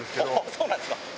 そうなんですか。